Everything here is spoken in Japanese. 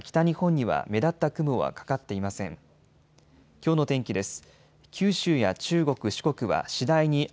きょうの天気です。